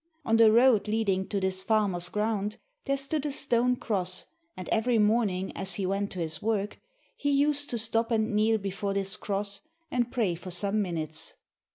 On the road leading to this farmer's ground there stood a stone cross, and every morning as he went to his work he used to stop and kneel down before this cross, and pray for some minutes.